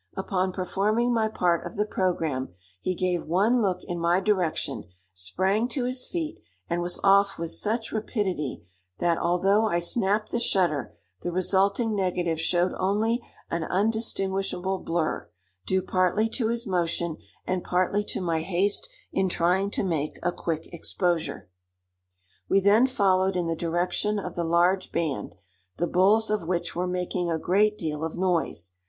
Upon performing my part of the program, he gave one look in my direction, sprang to his feet, and was off with such rapidity that, although I snapped the shutter, the resulting negative showed only an undistinguishable blur, due partly to his motion and partly to my haste in trying to make a quick exposure. We then followed in the direction of the large band, the bulls of which were making a great deal of noise.